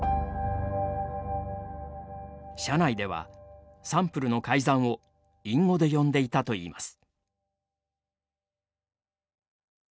社内では、サンプルの改ざんを隠語で呼んでいたといいます。